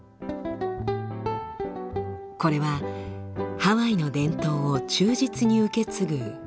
これはハワイの伝統を忠実に受け継ぐ夫婦のお話。